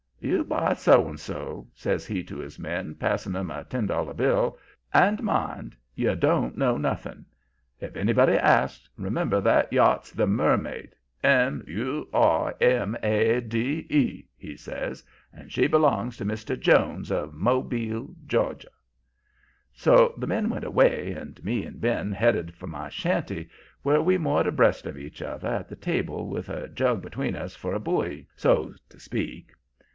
"'You buy so and so,' says he to his men, passing 'em a ten dollar bill. 'And mind, you don't know nothing. If anybody asks, remember that yacht's the Mermaid M U R M A D E,' he says, 'and she belongs to Mr. Jones, of Mobile, Georgia.' "So the men went away, and me and Ben headed for my shanty, where we moored abreast of each other at the table, with a jug between us for a buoy, so's to speak.